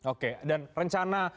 oke dan rencana